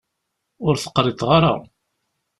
Ur t-qriḍeɣ ara.